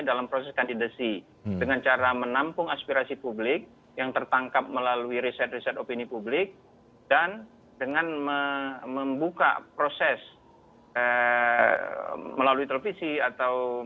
dalam hal hal yang lebih kuat